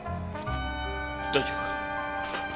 大丈夫か？